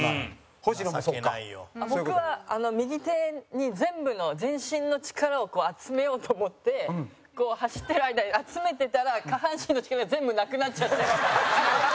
ほしの：僕は、右手に全部の全身の力を集めようと思って走ってる間に集めてたら下半身の力が全部なくなっちゃって。